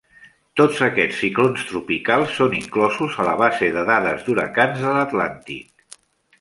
Tots aquests ciclons tropicals són inclosos a la base de dades d'huracans de l'Atlàntic.